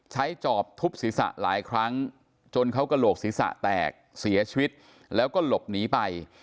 จอบทุบศีรษะหลายครั้งจนเขากระโหลกศีรษะแตกเสียชีวิตแล้วก็หลบหนีไป